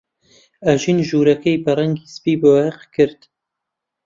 ئەژین ژوورەکەی بە ڕەنگی سپی بۆیاغ کرد.